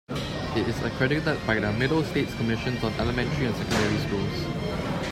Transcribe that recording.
It is accredited by the Middle States Commissions on Elementary and Secondary Schools.